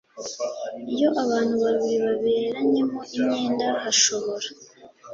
iyo abantu babiri baberanyemo imyenda hashobora